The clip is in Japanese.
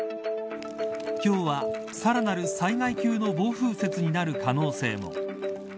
今日はさらなる災害級の暴風雪になる可能性も。